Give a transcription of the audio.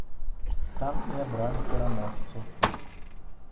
Там і абралі пераможцу.